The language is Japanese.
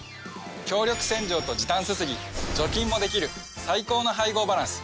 強力洗浄と時短すすぎ除菌もできる最高の配合バランス